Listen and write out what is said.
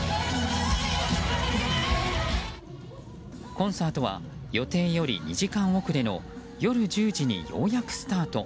コンサートは予定より２時間遅れの夜１０時に、ようやくスタート。